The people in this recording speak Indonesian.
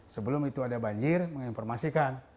sebelum itu ada banjir menginformasikan